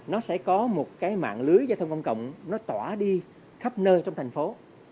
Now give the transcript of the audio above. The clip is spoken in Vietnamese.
nó sẽ có một cái mạng lưới giao thông công cộng nó tỏa đi khắp nơi trong thành phố